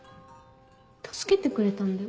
助けてくれたんだよ？